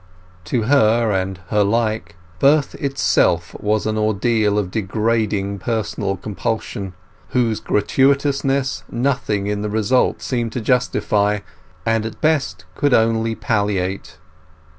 To her and her like, birth itself was an ordeal of degrading personal compulsion, whose gratuitousness nothing in the result seemed to justify, and at best could only palliate.